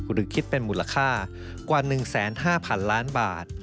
หรือคิดเป็นมูลค่ากว่า๑๕๐๐๐ล้านบาท